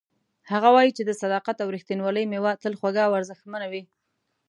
هغه وایي چې د صداقت او ریښتینولۍ میوه تل خوږه او ارزښتمنه وي